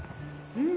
うん！